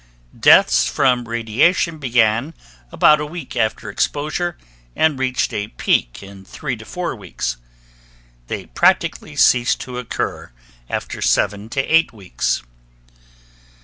Deaths from radiation began about a week after exposure and reached a peak in 3 to 4 weeks. They practically ceased to occur after 7 to 8 weeks.